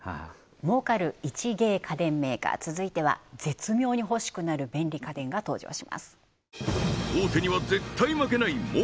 儲かる一芸家電メーカー続いては絶妙に欲しくなる便利家電が登場します